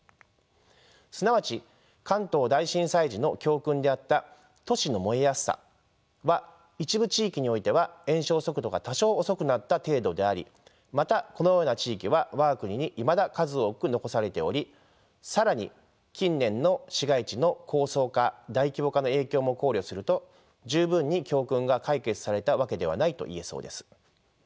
すなわち関東大震災時の教訓であった都市の燃えやすさは一部地域においては延焼速度が多少遅くなった程度でありまたこのような地域は我が国にいまだ数多く残されており更に近年の市街地の高層化大規模化の影響も考慮すると十分に教訓が解決されたわけではないといえそうです。